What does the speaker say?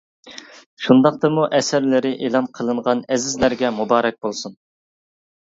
شۇنداقتىمۇ ئەسەرلىرى ئېلان قىلىنغان ئەزىزلەرگە مۇبارەك بولسۇن.